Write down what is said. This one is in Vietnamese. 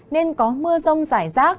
nên có mưa rông rải rác